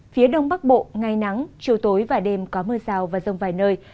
phía đông bắc bộ ngày nắng chiều tối và đêm có mưa rào và rông vài nơi